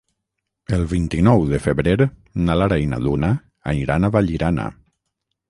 El vint-i-nou de febrer na Lara i na Duna aniran a Vallirana.